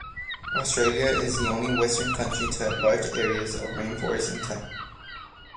Australia is the only western country to have large areas of rainforest intact.